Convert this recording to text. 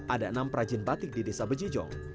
ada enam perajin batik di desa bejijong